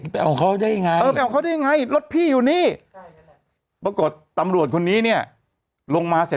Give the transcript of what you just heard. อ๋อไปเอาเขาได้ยังไงเออไปเอาเขาได้ยังไง